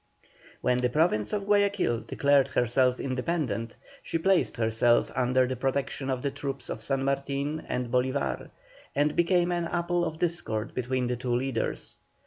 When the Province of Guayaquil declared herself independent, she placed herself under the protection of the troops of San Martin and Bolívar, and became an apple of discord between the two leaders.